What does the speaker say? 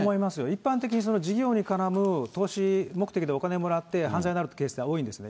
一般的に事業に絡む投資目的でお金もらって犯罪になるケースっていうのは多いんです。